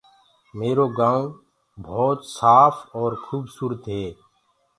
ميرو گائونٚ ڀوت سآڦ اور خوبسورت هي۔